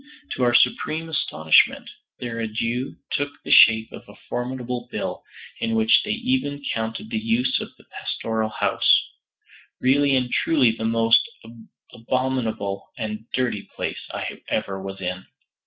To our supreme astonishment their adieu took the shape of a formidable bill, in which they even counted the use of the pastoral house, really and truly the most abominable and dirty place I ever was in.